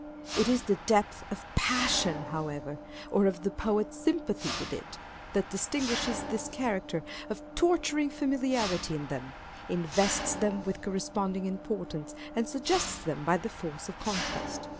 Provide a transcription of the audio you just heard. It is the depth of passion, however, or of the poet's sympathy with it, that distinguishes this character of torturing familiarity in them, invests them with cor responding importance, and suggests them by the force of contrast.